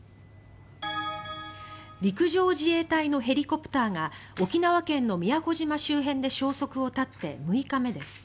陸上自衛隊のヘリコプターが沖縄県の宮古島周辺で消息を絶って６日目です。